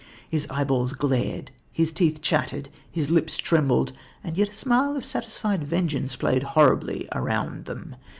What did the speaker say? His eyeballs glared, his teeth chattered, his lips trembled; and yet a smile of satisfied vengeance played horribly around them.